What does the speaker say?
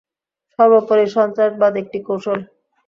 সর্বোপরি সন্ত্রাসবাদ একটি কৌশল।